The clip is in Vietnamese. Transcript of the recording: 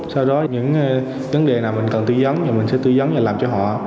sau đó những vấn đề nào mình cần tư dấn thì mình sẽ tư dấn và làm cho họ